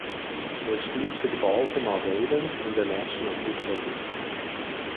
Er spielt für die Baltimore Ravens in der National Football League.